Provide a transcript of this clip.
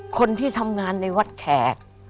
คนที่ทำงานในวัดแขก